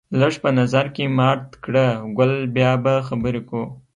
لږ په نظر کې مات کړه ګل بیا به خبرې کوو